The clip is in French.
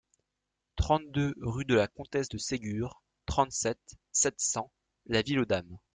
trente-deux rue de la Comtesse de Ségur, trente-sept, sept cents, La Ville-aux-Dames